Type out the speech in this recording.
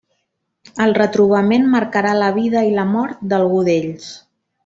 El retrobament marcarà la vida i la mort d'algú d'ells.